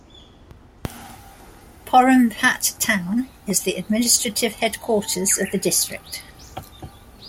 Porompat town is the administrative headquarters of the district.